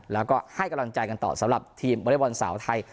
แล้วก็ให้กำลังใจกันต่อสำหรับทีมวอเล็กบอลสาวไทย